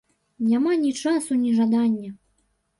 Няма ні часу, ні жадання.